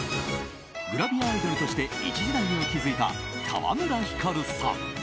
グラビアアイドルとして一時代を築いた川村ひかるさん。